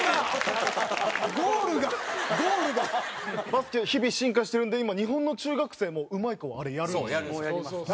バスケは日々進化してるんで今日本の中学生もうまい子はあれやるんですよ。